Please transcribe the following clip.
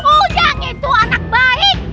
ujang itu anak baik